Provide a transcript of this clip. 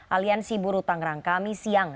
aliansi burung tangerang kami siang